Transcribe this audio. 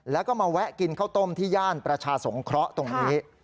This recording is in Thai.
แล้วก็มาแวะกินข้าวต้มที่ย่านประชาสงเคราะห์ตรงนี้